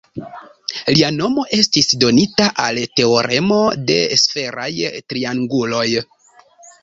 Lia nomo estis donita al teoremo de sferaj trianguloj.